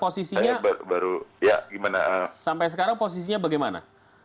sampai sekarang posisinya bagaimana